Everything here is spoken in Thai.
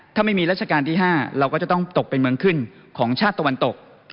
ถ้าไม่มีรัชกาลที่๕เราก็จะต้องตกเป็นเมืองขึ้นของชาติตะวันตก